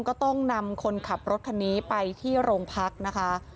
ก็ต้องนำคนขับรถคันนี้ไปที่โรงพักนะคะ